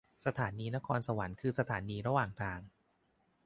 สถานีนครสวรรค์คือสถานีระหว่างทาง